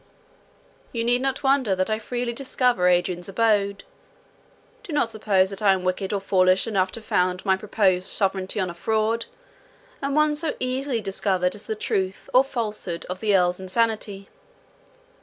"You need not wonder that I freely discover Adrian's abode. Do not suppose that I am wicked or foolish enough to found my purposed sovereignty on a fraud, and one so easily discovered as the truth or falsehood of the Earl's insanity.